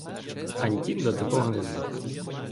Антін до того не звик.